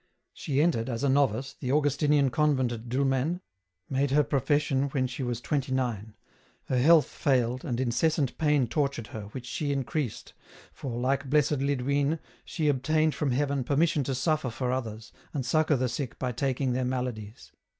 She entered, as a novice, the Augustinian convent at Dulmen, made her profession when she was twenty nine ; her health tailed and incessant pain tortured her, which she increased, for, like Blessed Lidwine, she obtained from Heaven permission to suffer for others, and succour the sick by taking their maladies.